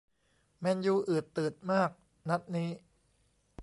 แมนยูอืดตืดมากนัดนี้